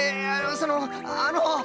そのあの。